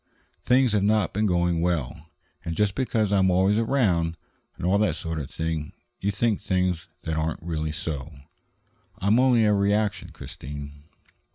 Things have not been going well, and just because I am always around, and all that sort of thing, you think things that aren't really so. I'm only a reaction, Christine."